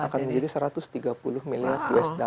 akan menjadi satu ratus tiga puluh miliar usd